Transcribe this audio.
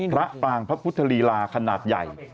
พระปรางพระพุทธลีลาขนาดใหญ่